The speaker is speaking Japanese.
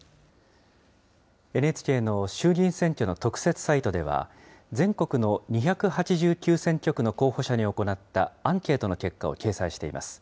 ＮＨＫの衆議院選挙の特設サイトでは、全国の２８９選挙区の候補者に行ったアンケートの結果を掲載しています。